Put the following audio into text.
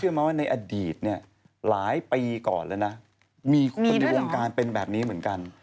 เชื่อมั้ยว่าในอดีตหลายปีก่อนแล้วนะมีคนในวงการเป็นแบบนี้เหมือนกัน